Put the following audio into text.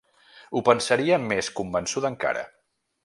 Ho pensaria més convençuda encara.